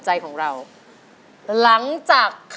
นี่คือเพลงที่นี่